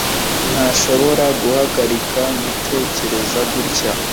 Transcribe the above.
Ntashobora guhagarika gutekereza gutya